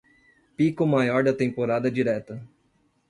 Pico Maior da Temporada Direta